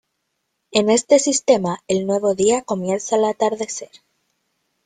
En este sistema, el nuevo día comienza al atardecer.